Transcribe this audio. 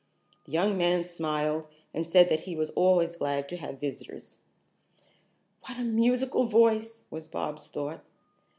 The young man smiled and said that he was always glad to have visitors. "What a musical voice!" was Bobs' thought.